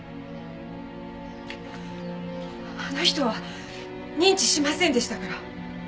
あの人は認知しませんでしたから。